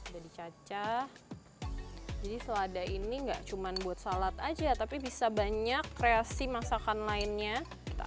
jadi cacah jadi selada ini enggak cuman buat salad aja tapi bisa banyak kreasi masakan lainnya kita